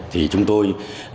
thì chúng tôi